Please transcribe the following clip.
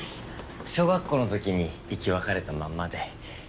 小学校の時に生き別れたまんまで。